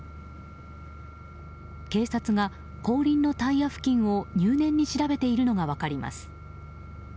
警察が後輪のタイヤ付近を入念に調べていることが分かります。